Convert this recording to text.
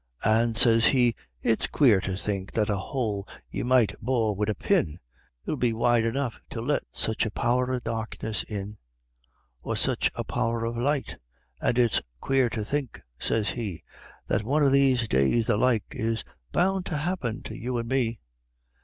An' sez he, "It's quare to think that a hole ye might bore wid a pin 'Ill be wide enough to let such a power o' darkness in On such a power o' light; an' it's quarer to think," sez he, "That wan o' these days the like is bound to happen to you an' me."